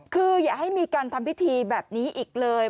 คืออย่าให้มีการทำพิธีแบบนี้อีกเลย